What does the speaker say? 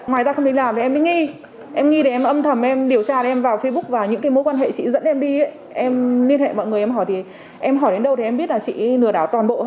ngoài ra không đến làm thì em mới nghi em nghi thì em âm thầm em điều tra em vào facebook và những mối quan hệ chị dẫn em đi em liên hệ mọi người em hỏi thì em hỏi đến đâu thì em biết là chị lừa